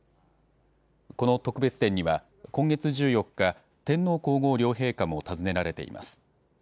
この特別展には、今月１４日、天皇皇后両陛下も訪ねられています。